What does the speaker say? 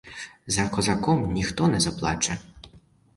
За козаком ніхто не заплаче.